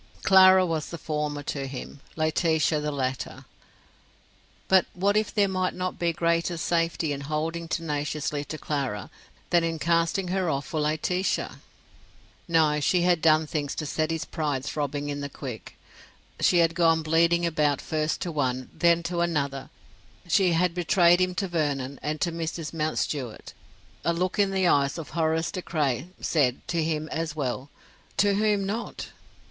Clara was the former to him, Laetitia the latter. But what if there might not be greater safety in holding tenaciously to Clara than in casting her off for Laetitia? No, she had done things to set his pride throbbing in the quick. She had gone bleeding about first to one, then to another; she had betrayed him to Vernon, and to Mrs. Mountstuart; a look in the eyes of Horace De Craye said, to him as well: to whom not?